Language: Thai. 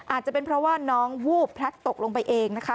อาจจะเป็นเพราะว่าน้องวูบพลัดตกลงไปเองนะคะ